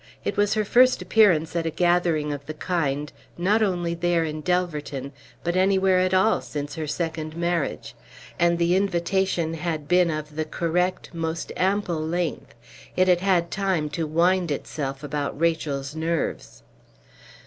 It was her first appearance at a gathering of the kind, not only there in Delverton, but anywhere at all since her second marriage. And the invitation had been of the correct, most ample length; it had had time to wind itself about Rachel's nerves.